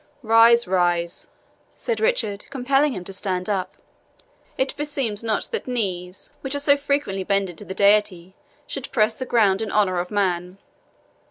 "Rise, rise," said Richard, compelling him to stand up; "it beseems not that knees which are so frequently bended to the Deity should press the ground in honour of man.